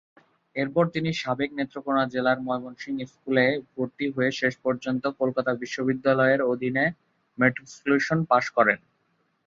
এরপর তিনি সাবেক নেত্রকোণা জেলার ময়মনসিংহ স্কুলে ভরতি হয়ে শেষ পর্যন্ত কলকাতা বিশ্ববিদ্যালয়ের অধীনে ম্যাট্রিকুলেশন পাশ করেন।